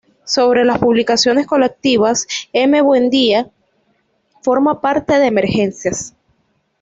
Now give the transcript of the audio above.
Sobre las publicaciones colectivas, M. Buendía forma parte de "Emergencias.